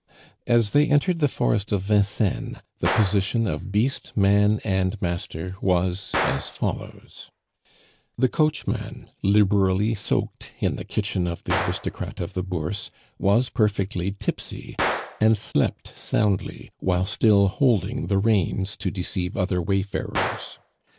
As they entered the forest of Vincennes the position of beast, man, and master was as follows: The coachman, liberally soaked in the kitchen of the aristocrat of the Bourse, was perfectly tipsy, and slept soundly, while still holding the reins to deceive other wayfarers.